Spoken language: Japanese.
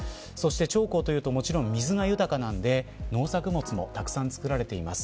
長江というと、もちろん水が豊かなので、農作物もたくさん作られています。